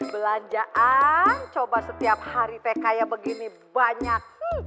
belanjaan coba setiap hari teh kayak begini banyak